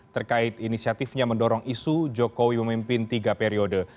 terkait inisiatifnya mendorong isu jokowi memimpin tiga periode